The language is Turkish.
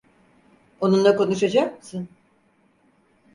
Onunla konuşacak mısın?